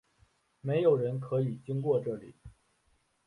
没有人可以经过这里！